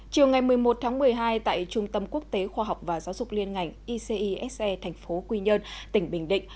chiều một mươi một một mươi hai tại trung tâm quốc tế khoa học và giáo dục liên ngành icise tp quy nhơn tỉnh bình định